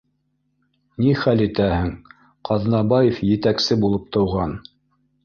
Нихәл итәһең, Ҡаҙнабаев етәксе булып тыуған